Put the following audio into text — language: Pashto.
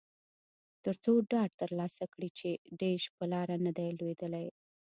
ترڅو ډاډ ترلاسه کړي چې ډیش په لاره نه دی لویدلی